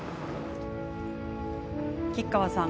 吉川さん